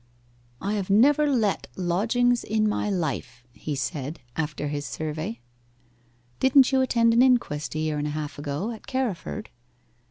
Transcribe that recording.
'I have never let lodgings in my life,' he said, after his survey. 'Didn't you attend an inquest a year and a half ago, at Carriford?